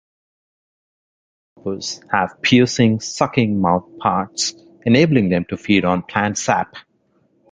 Leafhoppers have piercing-sucking mouthparts, enabling them to feed on plant sap.